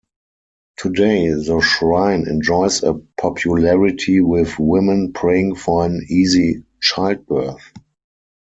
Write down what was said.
Today the shrine enjoys a popularity with women praying for an easy childbirth.